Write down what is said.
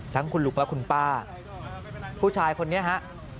ทั้งคุณลุงและคุณป้าผู้ชายคนนี้ฮะ